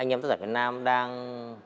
anh em tất cả việt nam đang